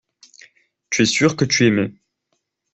Tu es sûr que tu aimais.